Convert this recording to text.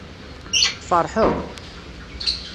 Tfeṛḥeḍ?